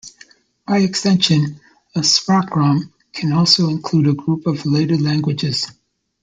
By extension, a sprachraum can also include a group of related languages.